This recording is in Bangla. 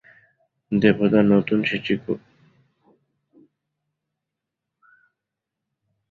দেবতা নতুন সষ্টি করতে পারেন।